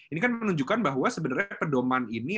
ini kan menunjukkan bahwa sebenarnya pedoman ini